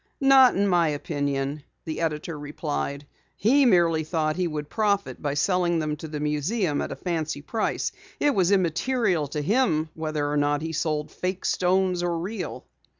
"Not in my opinion," the editor replied. "He merely thought he would profit by selling them to the museum at a fancy price. It was immaterial to him whether or not he sold fake stones or real."